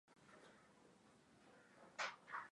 Bustani ya Manispaa ambaye alikuwa katika kitengo cha muda